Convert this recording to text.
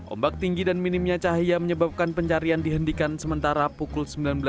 ombak tinggi dan minimnya cahaya menyebabkan pencarian dihentikan sementara pukul sembilan belas